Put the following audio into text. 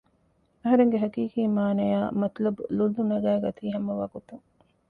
އަހަރެންގެ ހަގީގީ މާނަޔާއި މަތުލަބު ލުއްލު ނަގައިގަތީ ހަމަ ވަގުތުން